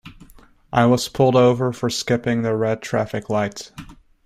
I was pulled over for skipping the red traffic light.